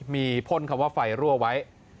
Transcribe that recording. มีพ่นคำว่าไฟรั่วไว้